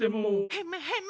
ヘムヘム。